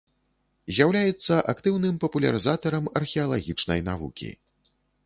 З'яўляецца актыўным папулярызатарам археалагічнай навукі.